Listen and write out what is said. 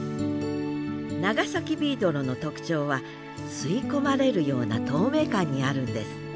長崎ビードロの特徴は吸い込まれるような透明感にあるんです